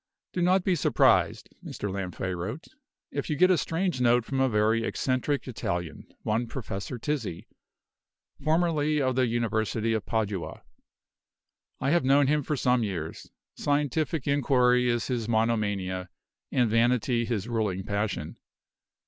"Do not be surprised" (Mr. Lanfray wrote) "if you get a strange note from a very eccentric Italian, one Professor Tizzi, formerly of the University of Padua. I have known him for some years. Scientific inquiry is his monomania, and vanity his ruling passion.